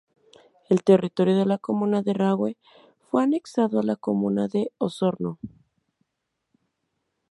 El territorio de la comuna de Rahue fue anexado a la comuna de Osorno.